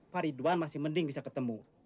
faridwan masih mending bisa ketemu